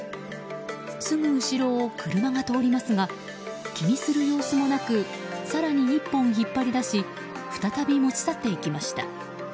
すぐ後ろを車が通りますが気にする様子もなく更に１本引っ張り出し再び持ち去っていきました。